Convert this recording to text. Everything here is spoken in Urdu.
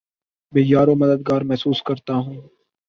بے یارومددگار محسوس کرتا ہوں